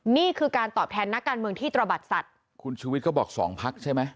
นี่คือการตอบแทนนักการเมืองที่ตระบัดสัตว์คุณชุวิตก็บอกสองพักใช่ไหม